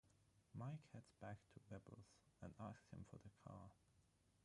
Mike heads back to Rebel's and asks him for the car.